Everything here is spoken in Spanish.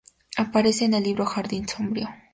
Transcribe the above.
Aparece en el libro Jardín sombrío.